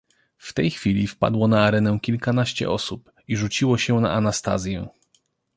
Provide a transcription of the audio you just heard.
"W tej chwili wpadło na arenę kilkanaście osób i rzuciło się na Anastazję."